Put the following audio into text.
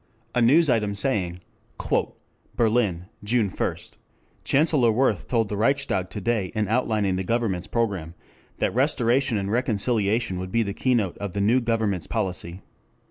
] A news item saying: "Berlin, June 1, Chancellor Wirth told the Reichstag to day in outlining the Government's program that 'restoration and reconciliation would be the keynote of the new Government's policy.'